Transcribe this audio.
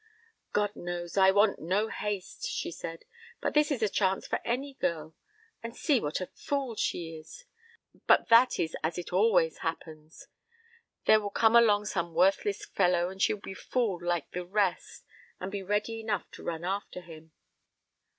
"God knows, I want no haste," she said; "but this is a chance for any girl. And see what a fool she is. But that is as it always happens. There will come along some worthless fellow, and she will be fooled like the rest, and be ready enough to run after him."